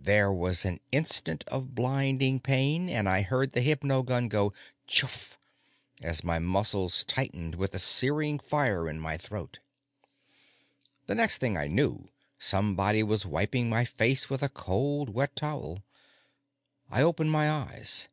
There was an instant of blinding pain, and I heard the hypogun go chuff! as my muscles tightened with the searing fire in my throat. The next thing I knew, somebody was wiping my face with a cold, wet towel. I opened my eyes.